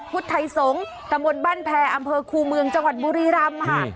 พุทธไทยสงฆ์ตำบลบ้านแพรอำเภอคูเมืองจังหวัดบุรีรำค่ะ